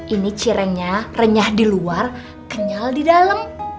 ini cirengnya renyah di luar kenyal di dalam